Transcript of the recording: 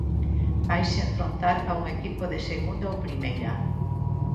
Vaise enfrontar a un equipo de segunda ou primeira.